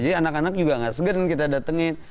jadi anak anak juga nggak segerin kita datengin